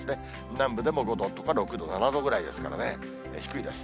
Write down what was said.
南部でも５度とか６度、７度ぐらいですからね、低いです。